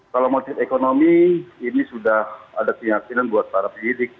kalau motif ekonomi ini sudah ada keyakinan buat para penyidik